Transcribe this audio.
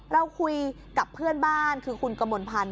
เราคุยกับเพื่อนบ้านคือคุณกมลพันธ